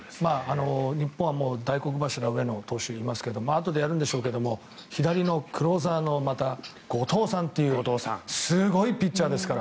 日本は大黒柱上野投手がいますけどあとでやるんでしょうけど左のクローザーの後藤さんというすごいピッチャーですから。